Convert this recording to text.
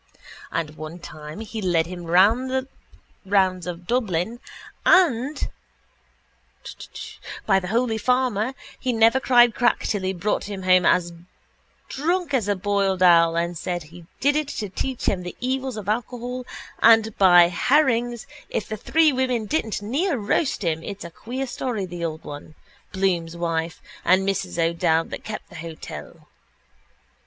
And one time he led him the rounds of Dublin and, by the holy farmer, he never cried crack till he brought him home as drunk as a boiled owl and he said he did it to teach him the evils of alcohol and by herrings, if the three women didn't near roast him, it's a queer story, the old one, Bloom's wife and Mrs O'Dowd that kept the hotel.